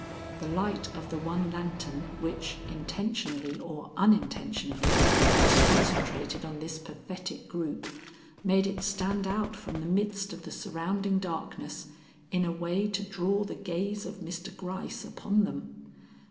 The light of the one lantern which, intentionally or unintentionally, was concentrated on this pathetic group, made it stand out from the midst of the surrounding darkness in a way to draw the gaze of Mr. Gryce upon them.